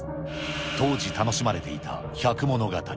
当時、楽しまれていた百物語。